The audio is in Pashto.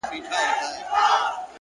پوهه د انسان تلپاتې سرمایه ده!.